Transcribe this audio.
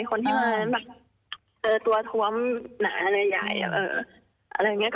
คนที่มาแบบตัวท้วมหนาใหญ่